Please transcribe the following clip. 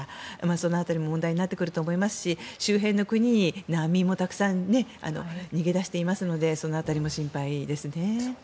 その辺りも問題になってくると思いますし周辺の国に難民もたくさん逃げ出していますのでその辺りも心配ですね。